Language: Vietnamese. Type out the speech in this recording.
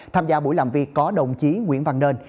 tham gia buổi làm việc có đồng chí nguyễn văn nên